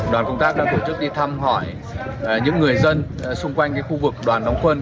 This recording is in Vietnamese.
đoàn công tác đã tổ chức đi thăm hỏi những người dân xung quanh khu vực đoàn đóng quân